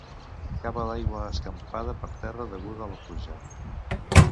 Capa d'aigua escampada per terra deguda a la pluja.